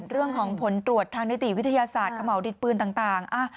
เรื่องของผลตรวจทางนิติวิทยาศาสตร์ขม่าวดินปืนต่าง